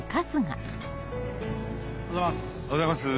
おはようございます。